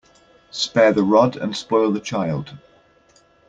Spare the rod and spoil the child.